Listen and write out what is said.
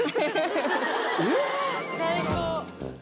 えっ⁉